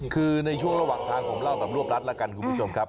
คือในช่วงระหว่างทางผมเล่าแบบรวบรัดแล้วกันคุณผู้ชมครับ